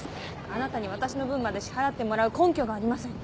あなたに私の分まで支払ってもらう根拠がありません。